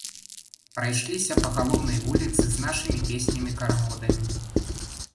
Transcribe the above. Прайшліся па галоўнай вуліцы з нашымі песнямі-карагодамі.